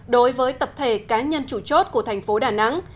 đối với tập thể cá nhân chủ chốt của thành phố đà nẵng